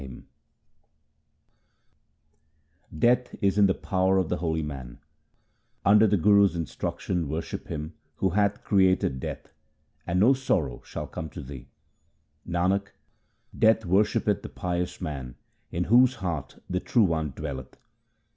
218 THE SIKH RELIGION Death is in the power of the holy man :— Under the Guru's instruction worship Him who hath created Death, and no sorrow shall come to thee. Nanak, Death worshippeth the pious man in whose heart the True One dwelleth.